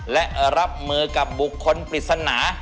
และรับมือกับบุคคลปริศนา